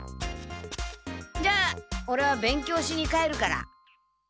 じゃあオレは勉強しに帰るから。